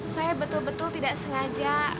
saya betul betul tidak sengaja